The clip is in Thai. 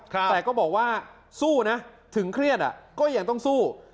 แต่ก็บอกว่าสู้นะถึงเครียดก็ยังต้องสู้